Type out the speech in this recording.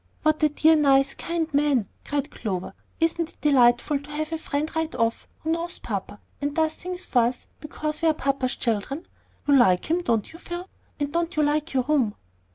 "What a dear, nice, kind man!" cried Clover. "Isn't it delightful to have a friend right off who knows papa, and does things for us because we are papa's children? You like him, don't you, Phil; and don't you like your room?"